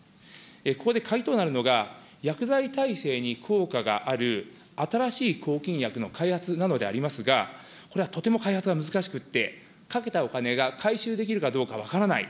ここで鍵となるのが、薬剤耐性に効果がある、新しい抗菌薬の開発なのでありますが、これはとても開発が難しくって、かけたお金が回収できるかどうか分からない。